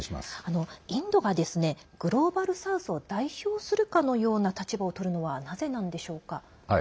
インドがグローバル・サウスを代表するかのような立場をとるのはなぜなんでしょうか。